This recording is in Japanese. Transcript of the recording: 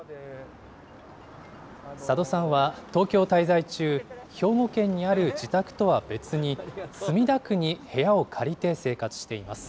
佐渡さんは東京滞在中、兵庫県にある自宅とは別に、墨田区に部屋を借りて生活しています。